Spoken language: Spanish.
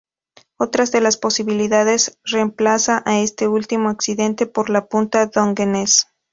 Otras de las posibilidades remplaza a este último accidente por la punta Dungeness.